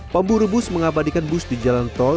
pemburu bus mengabadikan bus di jalan tol